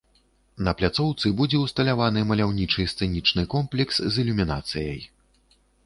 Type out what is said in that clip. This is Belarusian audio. На пляцоўцы будзе ўсталяваны маляўнічы сцэнічны комплекс з ілюмінацыяй.